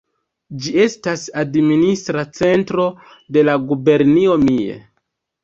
Ĝi estas administra centro de la gubernio Mie.